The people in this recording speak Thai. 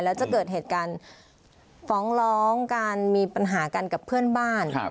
แล้วจะเกิดเหตุการณ์ฟ้องร้องการมีปัญหากันกับเพื่อนบ้าน